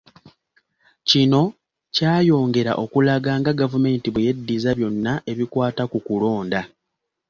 Kino kyayongera okulaga nga gavumenti bwe yeddiza byonna ebikwata ku kulonda.